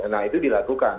nah itu dilakukan